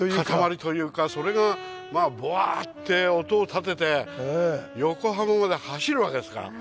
塊というかそれがボワッて音をたてて横浜まで走るわけですから。